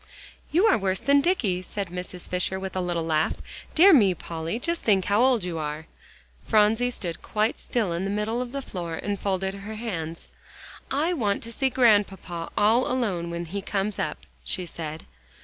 "You are worse than Dicky," said Mrs. Fisher with a little laugh. "Dear me, Polly, just think how old you are." Phronsie stood quite still in the middle of the floor and folded her hands. "I want to see Grandpapa all alone when he comes up," she said.